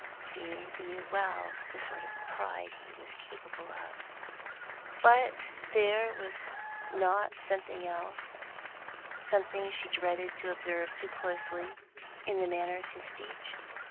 She knew well the sort of pride he was capable of; but was there not something else, something she dreaded to observe too closely, in the manner of his speech?